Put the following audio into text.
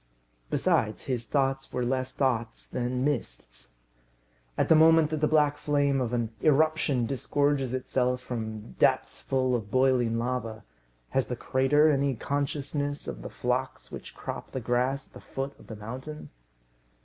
Besides, his thoughts were less thoughts than mists. At the moment that the black flame of an irruption disgorges itself from depths full of boiling lava, has the crater any consciousness of the flocks which crop the grass at the foot of the mountain?